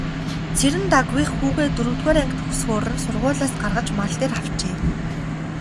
Цэрэндагвынх хүүгээ дөрөвдүгээр анги төгсөхөөр нь сургуулиас гаргаж мал дээр авчээ.